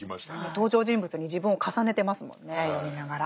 登場人物に自分を重ねてますもんね読みながら。